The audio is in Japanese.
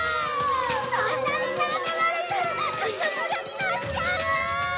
そんなになめられたらぐしょぬれになっちゃう！